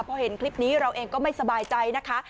พอเห็นคลิปนี้เราเองก็ไม่สบายใจนะคะ